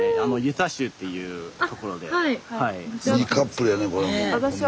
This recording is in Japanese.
スタジオいいカップルやねこれも。